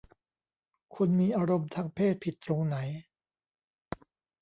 คนมีอารมณ์ทางเพศผิดตรงไหน